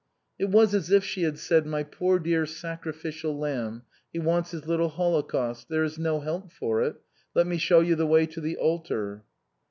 It was as if she had said, "My poor dear sacrificial lamb, he wants his little holocaust. There is no help for it. Let me show you the way to the altar."